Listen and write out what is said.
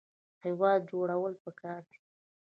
هیواد جوړول پکار دي